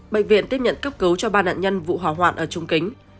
bệnh viện tiếp nhận cấp cứu cho ba nạn nhân vụ hỏa hoạn ở trung kính